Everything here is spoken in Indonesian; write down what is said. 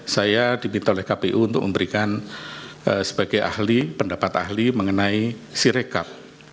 saya diminta oleh kpu untuk memberikan sebagai ahli pendapat ahli mengenai sirekap